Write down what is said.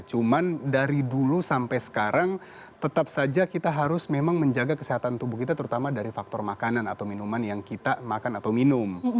cuma dari dulu sampai sekarang tetap saja kita harus memang menjaga kesehatan tubuh kita terutama dari faktor makanan atau minuman yang kita makan atau minum